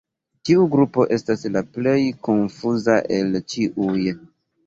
Tiu grupo estas la plej konfuza el ĉiuj.